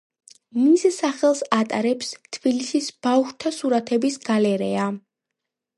მის სახელს ატარებს თბილისის ბავშვთა სურათების გალერეა.